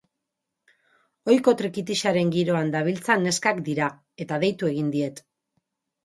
Ohiko trikitixaren giroan dabiltzan neskak dira, eta deitu egin diet.